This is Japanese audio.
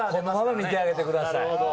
見てあげてください。